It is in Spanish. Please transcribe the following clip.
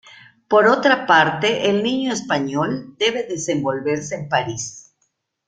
Por otra parte el niño español debe desenvolverse en París.